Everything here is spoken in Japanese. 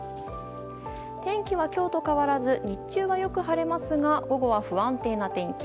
天気は今日と変わらず日中はよく晴れますが午後は不安定な天気。